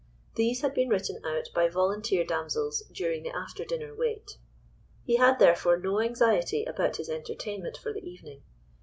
These had been written out by volunteer damsels during the after dinner wait. He had, therefore, no anxiety about his entertainment for the evening.